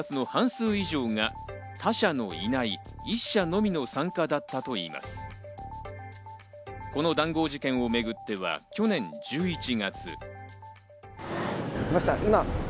この談合事件をめぐっては去年１１月。